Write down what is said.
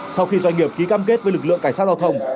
sau khi doanh nghiệp ký cam kết với lực lượng cảnh sát giao thông